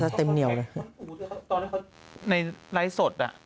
ว่าตอนเด้อเค้าในไร้สดเนี่ย